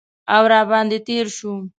او را باندې تیر شو